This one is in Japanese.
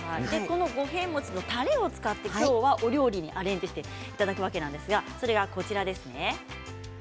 五平餅のたれを使ってお料理にアレンジしていただくわけですがそれが。